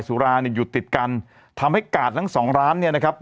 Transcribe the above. สุราเนี่ยอยู่ติดกันทำให้กาดทั้งสองร้านเนี่ยนะครับ